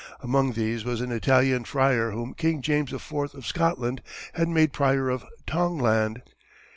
Among these was an Italian friar whom King James IV. of Scotland had made Prior of Tongland.